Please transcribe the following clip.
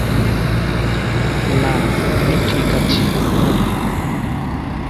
না আমি ঠিক আছি।